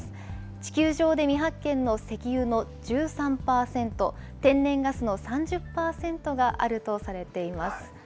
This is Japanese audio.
地球上で未発見の石油の１３％、天然ガスの３０％があるとされています。